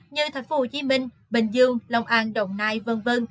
như thành phố hồ chí minh bình dương long an đồng nai v v